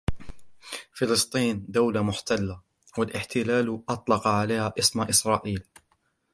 فلسطين دولة محتلة و الاحتلال اطلق عليها اسم اسرائيل